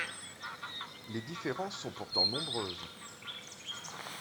Les différences sont pourtant nombreuses.